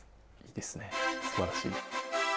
いいですねすばらしい！